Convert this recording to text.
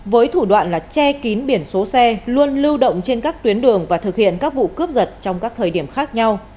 với thủ đoạn là che kín biển số xe luôn lưu động trên các tuyến đường và thực hiện các vụ cướp giật trong các thời điểm khác nhau